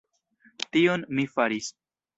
Tion mi faris!